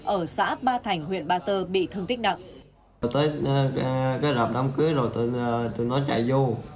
ở xã ba thành huyện ba tơ bị thương tích nặng